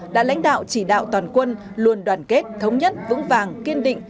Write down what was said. đã lãnh đạo chỉ đạo toàn quân luôn đoàn kết thống nhất vững vàng kiên định